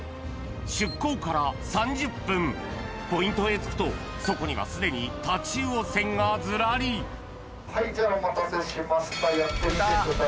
出港から３０分ポイントへ着くとそこにはすでにタチウオ船がずらりじゃあお待たせしましたやってみてください。